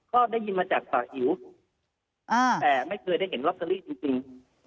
ก็ได้ยินมาจากปากอิ๋วแต่ไม่เคยได้เห็นลอตเตอรี่จริง